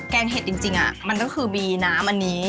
แกงเห็ดจริงอ่ะมันก็คือมีน้ำอันนี้ใช่ไหม